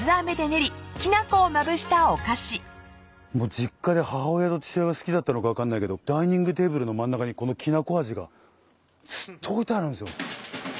実家で母親と父親が好きだったのか分かんないけどダイニングテーブルの真ん中にこのきな粉味がずっと置いてあるんすよ。